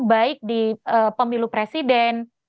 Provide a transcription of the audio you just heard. baik di pemilu presiden